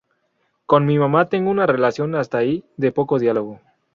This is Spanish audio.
Con mi mamá tengo una relación hasta ahí, de poco diálogo.